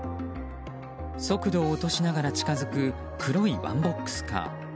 速度を落としながら近づく黒いワンボックスカー。